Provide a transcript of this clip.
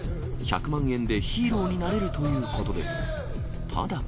１００万円でヒーローになれるということです。